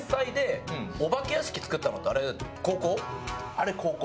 あれ高校。